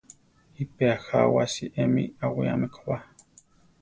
Iʼpéa jawási emi awíame ko ba.